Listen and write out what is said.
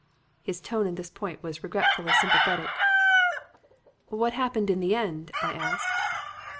His tone at this point was regretfully sympathetic. "'What happened in the end?' I asked.